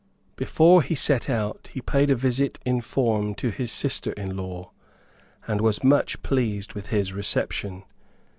Before he set out he paid a visit in form to his sister in law, and was much pleased with his reception.